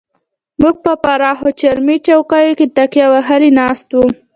موږ په پراخو چرمي چوکیو کې تکیه وهلې ناست وو.